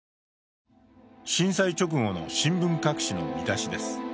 震災直後の新聞各紙の見出しです。